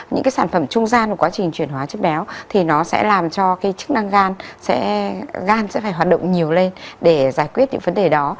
những cái sản phẩm trung gian và quá trình chuyển hóa chất béo thì nó sẽ làm cho cái chức năng gan sẽ gan sẽ phải hoạt động nhiều lên để giải quyết những vấn đề đó